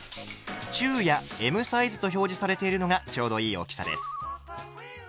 「中」や「Ｍサイズ」と表示されているのがちょうどいい大きさです。